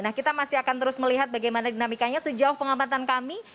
nah kita masih akan terus melihat bagaimana dinamikanya sejauh pengamatan kami